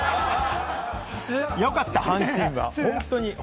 良かった、阪神は本当に！